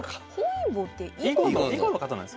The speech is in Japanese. あでも囲碁の方なんです